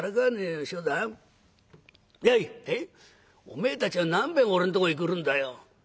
「おめえたちは何べん俺んとこへ来るんだよ。